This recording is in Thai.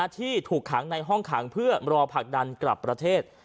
ที่ถูกขังในห้องขังเพื่อรอผลักดันกลับประเทศ